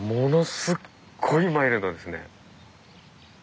すっごいマイルドですね。